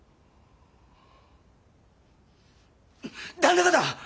旦那方！